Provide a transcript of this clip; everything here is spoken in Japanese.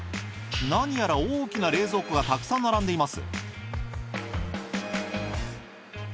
何やら大きな冷蔵庫がたくさん並んでいます。